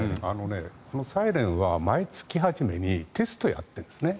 サイレンは毎月初めにテストをやっているんですね。